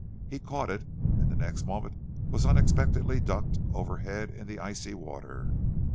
He caught it, and the next moment was unexpectedly ducked overhead in the icy water.